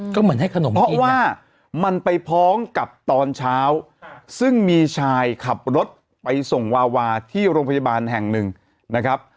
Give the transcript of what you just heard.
ก็เหมือนให้ขนมเพราะว่ามันไปพ้องกับตอนเช้าซึ่งมีชายขับรถไปส่งวาวาที่โรงพยาบาลแห่งหนึ่งนะครับ